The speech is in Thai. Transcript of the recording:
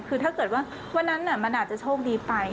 คือถ้าเกิดว่าวันนั้นมันอาจจะโชคดีไป